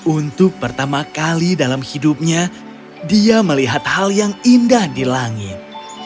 untuk pertama kali dalam hidupnya dia melihat hal yang indah di langit